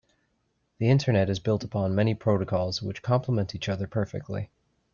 The internet is built upon many protocols which compliment each other perfectly.